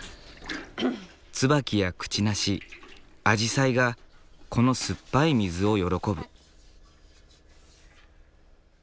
ツバキやクチナシアジサイがこの酸っぱい水を喜ぶ。